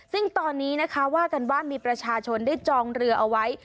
ซึ่งตอนนี้นะคะว่ากันว่ามีประชาชนได้จองเรือเอาไว้